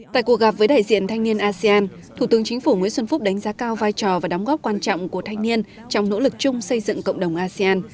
tại cuộc gặp với đại diện thanh niên asean thủ tướng chính phủ nguyễn xuân phúc đánh giá cao vai trò và đóng góp quan trọng của thanh niên trong nỗ lực chung xây dựng cộng đồng asean